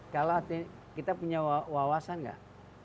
kalau kita punya wawasan nggak